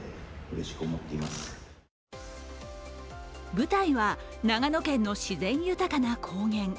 舞台は長野県の自然豊かな高原。